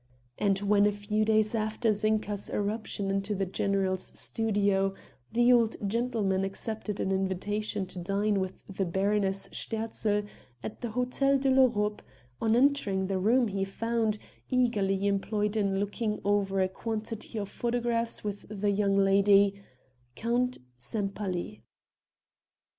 And when a few days after Zinka's irruption into the general's studio the old gentleman accepted an invitation to dine with the Baroness Sterzl at the Hotel de l'Europe, on entering the room he found, eagerly employed in looking over a quantity of photographs with the young lady Count Sempaly.